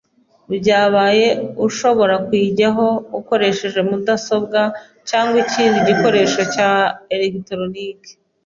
byabaye Ushobora kuyijyaho ukoresheje mudasobwa cyangwa ikindi gikoresho cya eregitoroniki